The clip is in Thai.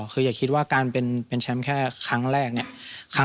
คืออย่าคิดว่าการเป็นแชมป์แค่ครั้งแรกเนี่ย